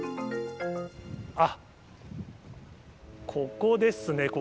あっ、ここですね。